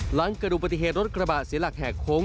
หลังเกิดอุบัติเหตุรถกระบะเสียหลักแหกโค้ง